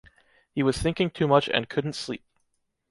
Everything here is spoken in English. He was thinking too much and couldn’t sleep.